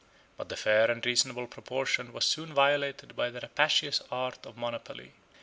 But the fair and reasonable proportion was soon violated by the rapacious arts of monopoly.